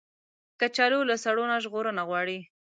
کچالو له سړو نه ژغورنه غواړي